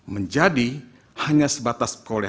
menjadi hanya sebatas perundangan